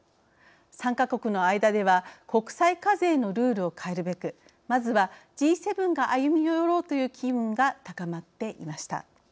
参加国の間では国際課税のルールを変えるべくまずはＧ７が歩み寄ろうという機運が高まっていました。